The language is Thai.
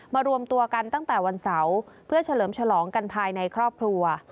รวมตัวกันตั้งแต่วันเสาร์เพื่อเฉลิมฉลองกันภายในครอบครัว